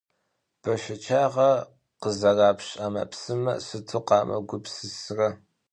Бэшэчагъэ къызэрапщ ӏэмэпсымэ сыту къамыгупсысрэ.